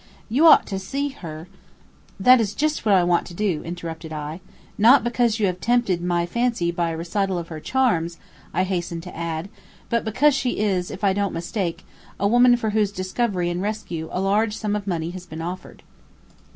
You ought to see her " "That is just what I want to do," interrupted I. "Not because you have tempted my fancy by a recital of her charms," I hastened to add, "but because she is, if I don't mistake, a woman for whose discovery and rescue, a large sum of money has been offered."